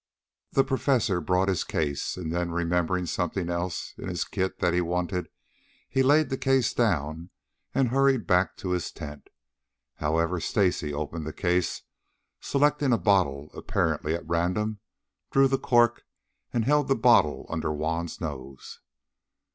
The Professor brought his case; then, remembering something else in his kit that he wanted, he laid the case down and hurried back to his tent. However, Stacy opened the case, selecting a bottle, apparently at random, drew the cork and held the bottle under Juan's nose.